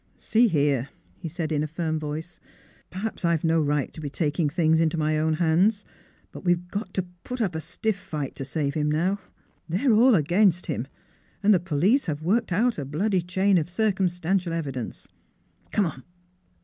" See here,"' he said in a firm voice; "perhaps I have no right to be taking things into my own hands. But we've got to put up a stiff fight to save him, now. they're all against him, and the police have worked out a bloody chain of cir cumstantial evidence. Come on